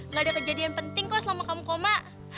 nggak ada kejadian penting kok selama kamu koma